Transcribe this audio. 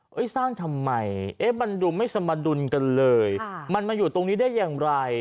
สร้างทำไมเอ๊ะมันดูไม่สมดุลกันเลยมันมาอยู่ตรงนี้ได้อย่างไร